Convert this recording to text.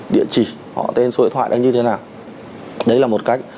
địa chỉ họ tên số điện thoại đấy như thế nào đấy là một cách